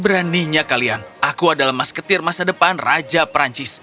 beraninya kalian aku adalah masketir masa depan raja perancis